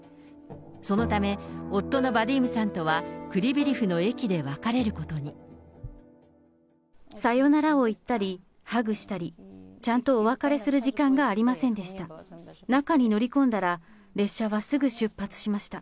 そのため、夫のバディームさんとは、さよならを言ったり、ハグしたり、ちゃんとお別れする時間がありませんでした。